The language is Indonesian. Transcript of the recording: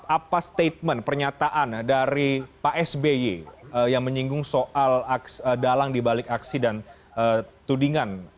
apa statement pernyataan dari pak sby yang menyinggung soal dalang dibalik aksi dan tudingan